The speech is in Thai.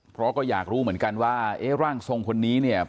เพราะก็อยากรู้เหมือนกันว่าร่างทรงคนนี้